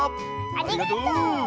ありがとう！